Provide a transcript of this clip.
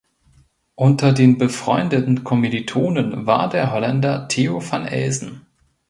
Unter den befreundeten Kommilitonen war der Holländer Theo van Elsen.